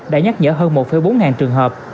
đã nhắc nhở hơn một bốn ngàn trường hợp